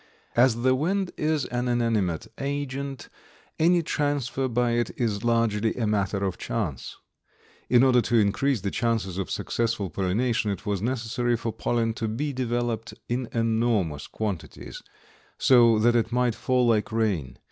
As the wind is an inanimate agent any transfer by it is largely a matter of chance. In order to increase the chances of successful pollination it was necessary for pollen to be developed in enormous quantities, so that it might fall like rain.